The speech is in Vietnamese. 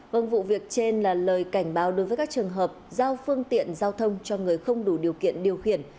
vâng vụ việc trên là lời cảnh báo đối với các trường hợp giao phương tiện giao thông cho người không đủ điều kiện điều khiển